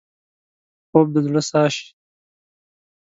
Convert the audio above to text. خوب د زړه ساه شي